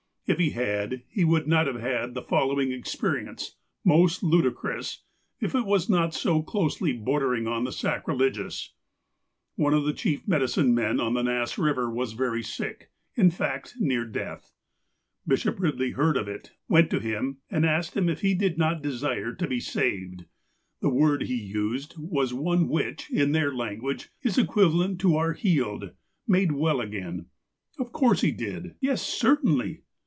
If he had, he would not have had the following experience, most ludicrous, if it was not so closely bordering on the sacrilegious : One of the chief medicine men on the Nass Eiver was very sick — in fact, near death. Bishop Eidley heard of it, went to him, and asked him if he did not desire to be "saved." The word he used was one which, in their language, is equivalent to our "healed," "made well again," Of course he did. " Yes — certainly